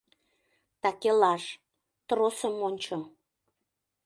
Такелаж — тросым ончо.